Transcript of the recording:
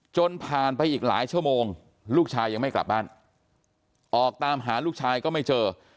จนผ่านไปอีกหลายชั่วโมงลูกชายยังไม่กลับบ้านออกตามหาลูกชายก็ไม่เจอ